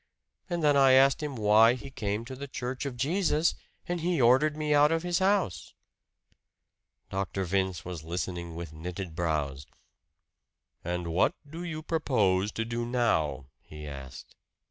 And then I asked him why he came to the church of Jesus, and he ordered me out of his house." Dr. Vince was listening with knitted brows. "And what do you propose to do now," he asked.